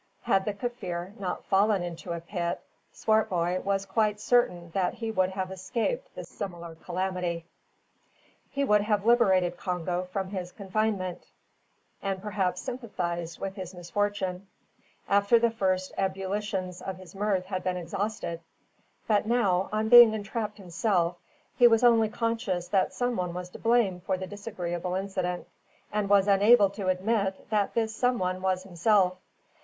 Had the Kaffir not fallen into a pit, Swartboy was quite certain that he would have escaped the similar calamity. He would have liberated Congo from his confinement, and perhaps sympathised with his misfortune, after the first ebullitions of his mirth had been exhausted; but now, on being entrapped himself, he was only conscious that some one was to blame for the disagreeable incident, and was unable to admit that this some one was himself.